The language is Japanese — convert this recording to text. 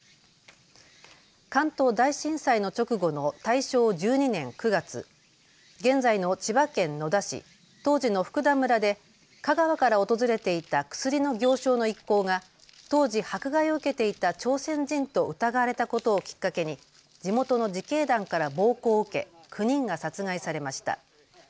関東大震災の直後の大正１２年９月、現在の千葉県野田市、当時の福田村で香川から訪れていた薬の行商の一行が当時、迫害を受けていた朝鮮人と疑われたことをきっかけに地元の自警団から暴行を受け９人が殺害されました。